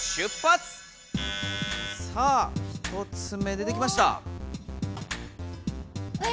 さあ１つ目出てきました。